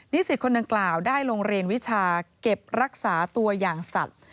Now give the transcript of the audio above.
สิทธิ์คนดังกล่าวได้โรงเรียนวิชาเก็บรักษาตัวอย่างสัตว์